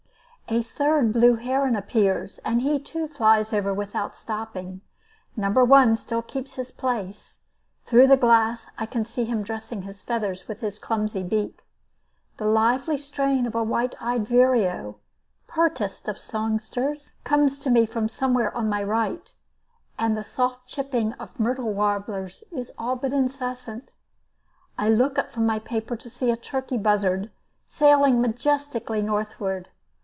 A third blue heron appears, and he too flies over without stopping. Number One still keeps his place; through the glass I can see him dressing his feathers with his clumsy beak. The lively strain of a white eyed vireo, pertest of songsters, comes to me from somewhere on my right, and the soft chipping of myrtle warblers is all but incessant. I look up from my paper to see a turkey buzzard sailing majestically northward.